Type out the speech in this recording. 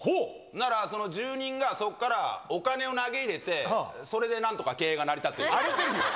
なら、その住人がそこからお金を投げ入れて、それでなんとか経営が成り立っている。